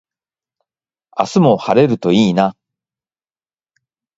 明日も晴れるといいな。